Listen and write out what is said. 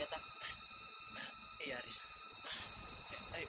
sekarang kita mau ke rumah